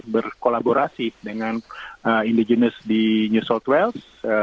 berkolaborasi dengan indigenous di new south wales